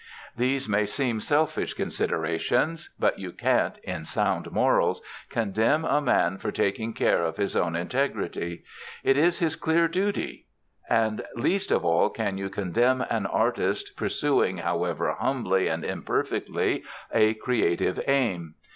These may seem selfish considerations; but you can't, in sound morals, condemn a man for taking care of his own integrity. It is his clear duty. And least of all can you condemn an artist pursuing, however humbly and imperfectly, a creative aim.